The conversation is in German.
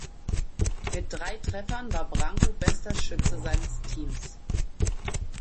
Mit drei Treffern war Branco bester Schütze seines Teams.